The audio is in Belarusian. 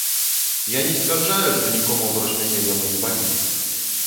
Я не сцвярджаю, што нікому, апроч мяне, яно не баліць.